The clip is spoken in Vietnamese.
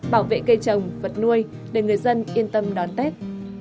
bảo vệ cây trồng vật nuôi để người dân yên tâm đón tết